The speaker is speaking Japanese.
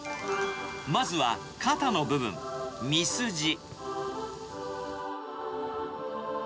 まずは肩の部分、ミスジ。